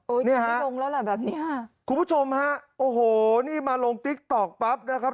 นี่ฮะลงแล้วแหละแบบเนี้ยคุณผู้ชมฮะโอ้โหนี่มาลงติ๊กต๊อกปั๊บนะครับ